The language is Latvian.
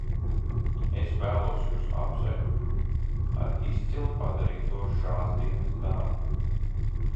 Es vēlos jūs apsveikt ar izcili padarīto šāsdienas darbu.